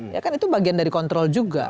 ya kan itu bagian dari kontrol juga